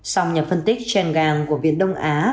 song nhà phân tích chen gang của viện đông á